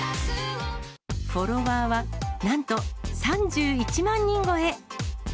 フォロワーはなんと３１万人超え。